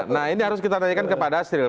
nah ini harus kita tanyakan kepada asril